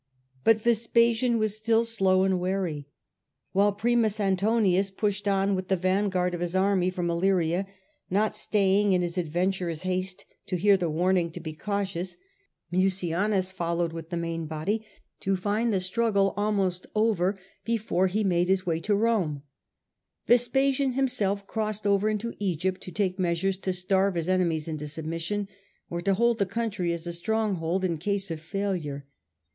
But Vespasian was still slow and wary. While Primus Antonius pushed on with the vanguard of his army from Illyria, not staying in his adventurous haste to hear the warning to be cautious, Mucianus followed with the main body to find the stniggle almost over before he made his way to Rome, and was in Vespasian himself crossed over into Egypt to take measures to starve his enemies into sub won. mission, or to hold the country as a stronghold in case oi failure.